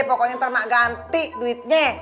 pokoknya ntar ganti duitnya